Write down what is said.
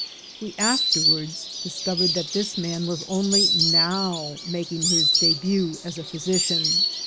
We afterwards discovered that this man was only now making his debut as a physi cian.